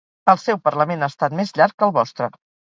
El seu parlament ha estat més llarg que el vostre.